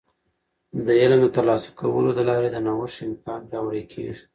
د علم د ترلاسه کولو د لارې د نوښت امکان پیاوړی کیږي.